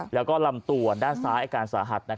แล้วก็ลำตัวด้านซ้ายอาการสาหัส